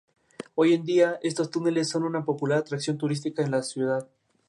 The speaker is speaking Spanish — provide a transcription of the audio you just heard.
Hoy en día, estos túneles son una popular atracción turística de la ciudad.